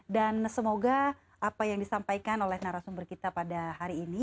dan semoga apa yang disampaikan oleh narasumber kita pada hari ini